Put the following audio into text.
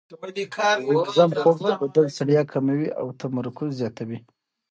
منظم خوب د بدن ستړیا کموي او تمرکز زیاتوي.